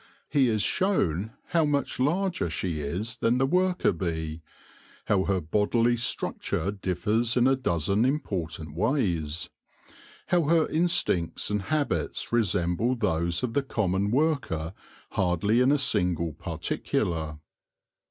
He is shown how much larger she is than the worker bee ; how her bodily structure differs in a dozen important ways ; how her instincts and habits resemble those of the common worker hardly in a single particular.